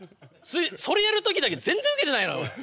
それやる時だけ全然ウケてないのよ。